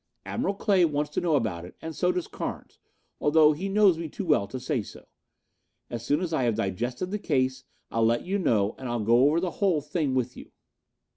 Admiral Clay wants to know about it and so does Carnes, although he knows me too well to say so. As soon as I have digested the case I'll let you know and I'll go over the whole thing with you."